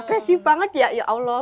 apresif banget ya ya allah